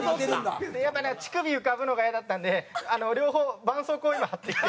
やっぱ乳首浮かぶのがイヤだったんで両方ばんそうこうを今貼っていて。